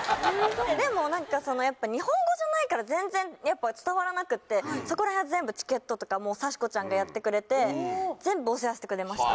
でも日本語じゃないから全然やっぱ伝わらなくてそこらへんは全部チケットとかもさしこちゃんがやってくれて全部お世話してくれました。